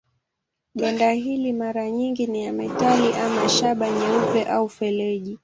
Ganda hili mara nyingi ni ya metali ama shaba nyeupe au feleji.